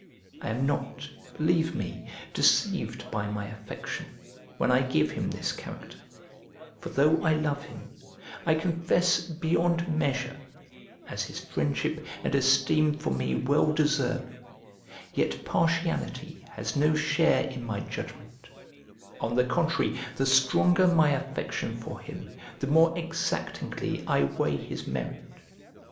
I am not, believe me, deceived by my affection, when I give him this character; for though I love him, I confess, beyond measure (as his friendship and esteem for me well deserve), yet partiality has no share in my judgment: on the contrary, the stronger my affection for him, the more exactingly I weigh his merit.